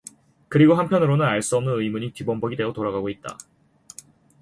그리고 한편으로는 알 수 없는 의문이 뒤범벅이 되어 돌아가고 있다.